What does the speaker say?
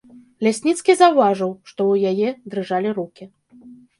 Лясніцкі заўважыў, што ў яе дрыжалі рукі.